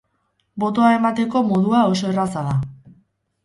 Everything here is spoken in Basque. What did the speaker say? Botoa emateko modua oso erraza da.